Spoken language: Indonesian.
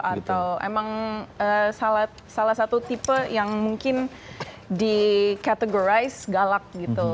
atau emang salah satu tipe yang mungkin di categorice galak gitu